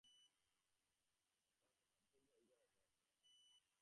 কথা বলার জায়গার তো অভাব নেই।